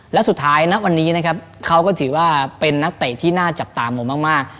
และสุดท้ายณวันนี้นะครับเขาก็ถือว่าเป็นนักเตะที่น่าจับตามองมาก